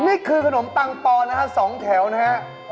นี่คือขนมปังปลอนะครับ๒แถวนะครับ